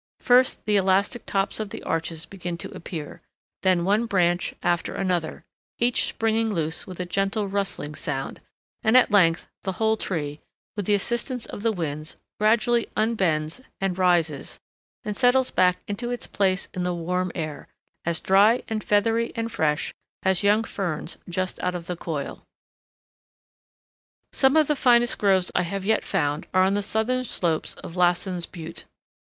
First the elastic tops of the arches begin to appear, then one branch after another, each springing loose with a gentle rustling sound, and at length the whole tree, with the assistance of the winds, gradually unbends and rises and settles back into its place in the warm air, as dry and feathery and fresh as young ferns just out of the coil. Some of the finest groves I have yet found are on the southern slopes of Lassen's Butte.